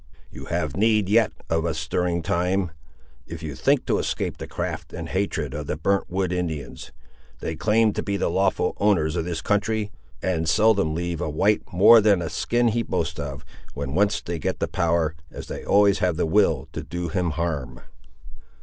You have need, yet, of a stirring time, if you think to escape the craft and hatred of the burnt wood Indians. They claim to be the lawful owners of this country, and seldom leave a white more than the skin he boasts of, when once they get the power, as they always have the will, to do him harm."